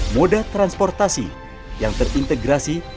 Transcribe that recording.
moda transportasi yang terintegrasi